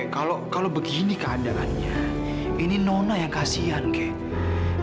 gia kalau begini keadaannya ini nona yang kasihan gia